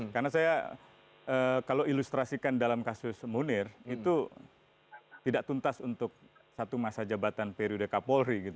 karena saya kalau ilustrasikan dalam kasus munir itu tidak tuntas untuk satu masa jabatan periode kapolri gitu